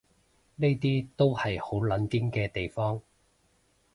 呢啲都係好撚癲嘅地方